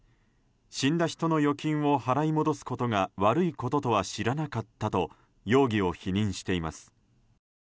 死んだ人の預金を払い戻すことが悪いこととは知らなかったと容疑を否認しています。